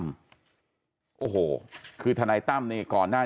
โอ้โหคือทนายตั้มนี่ก่อนหน้า